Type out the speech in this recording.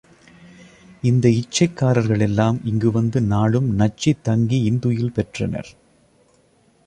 இந்த இச்சைக்காரர்கள் எல்லாம் இங்கு வந்து நாளும் நச்சித் தங்கி இன்துயில் பெற்றனர்.